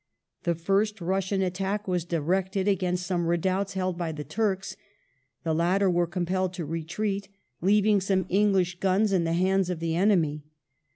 The fii st Russian attack was directed against some redoubts held by the Turks. The latter were compelled to retreat, leaving some English guns in the hands of the enemy.